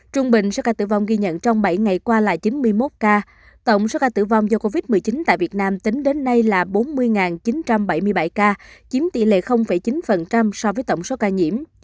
trung bình số ca tử vong ghi nhận trong bảy ngày qua là chín mươi một ca tổng số ca tử vong do covid một mươi chín tại việt nam tính đến nay là bốn mươi chín trăm bảy mươi bảy ca chiếm tỷ lệ chín so với tổng số ca nhiễm